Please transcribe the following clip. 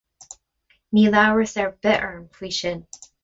Níl amhras ar bith orm faoi sin.